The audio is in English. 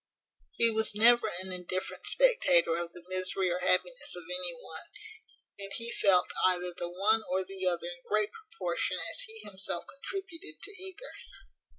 He was never an indifferent spectator of the misery or happiness of any one; and he felt either the one or the other in great proportion as he himself contributed to either.